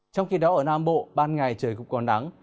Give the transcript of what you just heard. trong khi đó ở nam bộ ban ngày trời cũng còn nắng